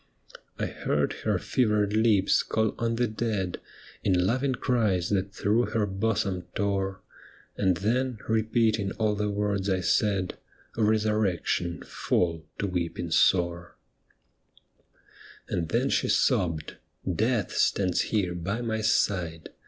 I heard her fevered lips call on the dead In loving cries that through her bosom tore. And then, repeating all the words I said Of resurrection, fall to weeping sore. ' THE ME WITHIN THEE BLIND !' 1 1 i And tlicn she sobbed :' Death stands here by my side.